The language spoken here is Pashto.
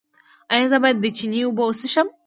ایا زه باید د چینې اوبه وڅښم؟